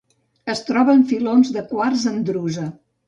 Es troba en filons de quars en drusa.